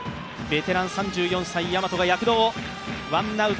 ベテラン３４歳、大和が躍動。